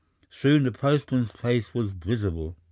Soon the postman's face was visible.